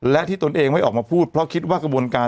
และที่ตนเองไม่ออกมาพูดเพราะคิดว่ากระบวนการ